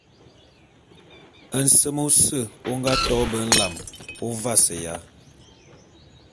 Nsem ôse ô nga to be nlam ô vaseya.